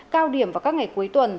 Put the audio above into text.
cao điểm vào các ngày cuối tuần